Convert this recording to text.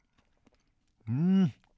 うん！